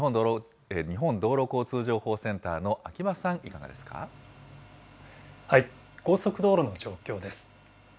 日本道路交通情報センターの秋場高速道路の状況です。